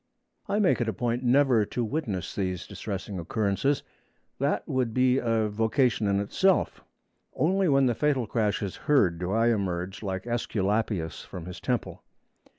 I make it a point never to witness these distressing occurrences; that would be a vocation in itself. Only when the fatal crash is heard do I emerge, like Æsculapius from his temple.